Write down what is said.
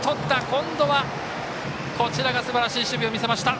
今度はこちらがすばらしい守備を見せました。